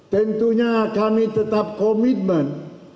tentunya kami tetap komitmen